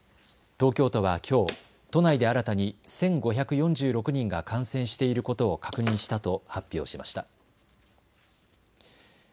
東京都はきょう都内で新たに１５４６人が感染していることを確認したと発表しました。